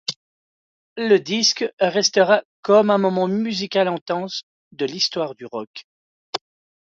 Le disque restera comme un moment musical intense de l'histoire du rock.